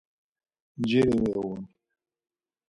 Nciri miğun.